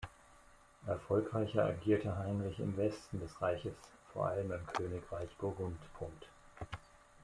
Erfolgreicher agierte Heinrich im Westen des Reiches, vor allem im Königreich Burgund.